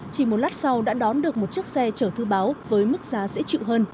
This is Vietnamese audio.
chỉ một lát sau đã đón được một chiếc xe chở thư báo với mức giá dễ chịu hơn